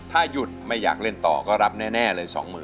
ถ้าหยุดไม่อยากเล่นต่อก็รับแน่เลย๒๐๐๐